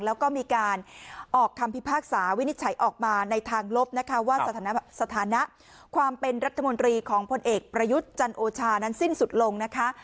แล้วก็มีการออกคำพิพากษาวินิจฉัยออกมาในทางลบนะคะว่าสถานะความเป็นรัฐมนตรีของพลเอกประยุทธ์จันโอชานั้นสิ้นสุดลงนะคะ